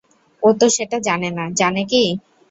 ও তো সেটা জানে না, জানে কি?